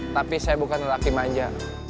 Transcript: tapi saya bukan lelaki manja